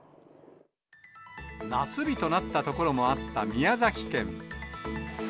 夏日となった所もあった宮崎県。